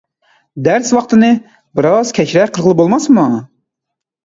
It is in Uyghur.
دەرس ۋاقتىنى بىرئاز كەچرەك قىلغىلى بولماسمۇ؟